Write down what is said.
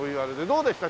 どうでした？